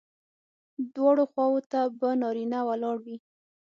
دواړو خواوو ته به نارینه ولاړ وي.